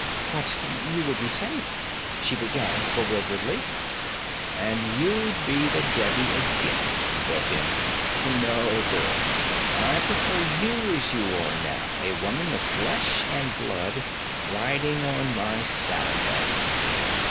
'But you would be safe ' she began bewilderedly. 'And you'd be the Devi again,' he broke in. 'No, girl; I prefer you as you are now a woman of flesh and blood, riding on my saddle bow.'